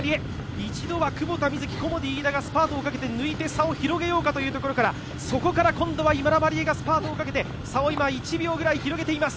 一度は久保田みずき、コモディイイダがスパートをかけて抜いて差を広げようかというところから、そこから今度は今田麻里絵がスパートをかけて差を１秒ぐらい広げています。